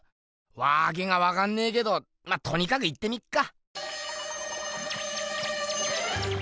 わけがわかんねけどまっとにかく行ってみっか。